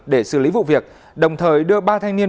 để xử lý vụ việc đồng thời đưa ba thanh niên